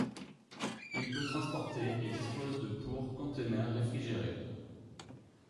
Il peut transporter et dispose de pour conteneurs réfrigérés.